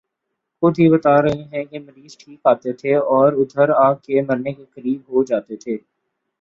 خود ہی بتا رہے ہیں کہ مریض ٹھیک آتے تھے اور ادھر آ کہ مرنے کے قریب ہو جاتے تھے